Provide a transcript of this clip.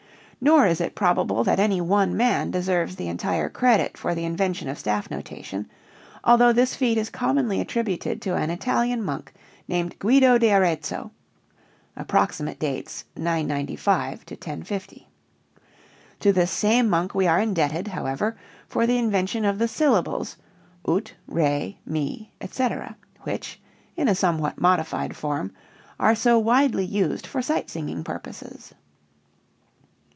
Nor is it probable that any one man deserves the entire credit for the invention of staff notation, although this feat is commonly attributed to an Italian monk named Guido d'Arezzo (approximate dates 995 1050). To this same monk we are indebted, however, for the invention of the syllables (UT, RE, MI, etc.) which (in a somewhat modified form) are so widely used for sight singing purposes.